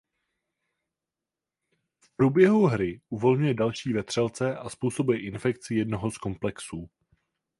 V průběhu hry uvolňuje další vetřelce a způsobuje infekci jednoho z komplexů.